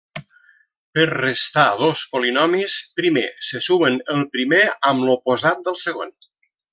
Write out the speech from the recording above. Per restar dos polinomis, primer se sumen el primer amb l'oposat del segon.